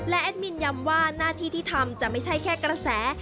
และแอดมินยำว่าหน้าที่ที่ทำจะไม่ใช่แค่กระแส